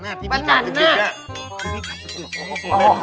มาสนิทเลย